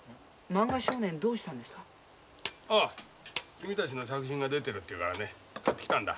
君たちの作品が出てるっていうからね買ってきたんだ。